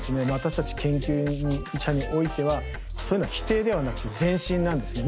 私たち研究者においてはそういうのは否定ではなくて前進なんですね。